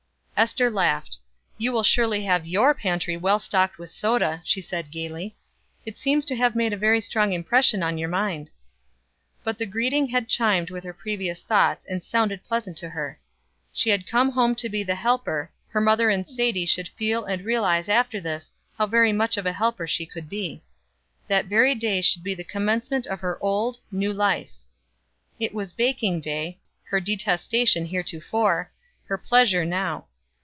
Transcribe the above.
Ester laughed. "You will surely have your pantry well stocked with soda," she said, gayly. "It seems to have made a very strong impression on your mind." But the greeting had chimed with her previous thoughts and sounded pleasant to her. She had come home to be the helper; her mother and Sadie should feel and realize after this how very much of a helper she could be. That very day should be the commencement of her old, new life. It was baking day her detestation heretofore, her pleasure now.